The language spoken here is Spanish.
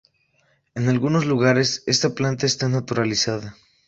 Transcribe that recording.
En algunos lugares esta planta está naturalizada.